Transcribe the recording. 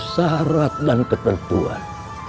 syarat dan ketentuan